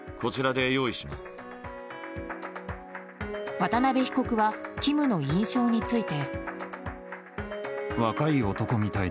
渡邉被告はキムの印象について。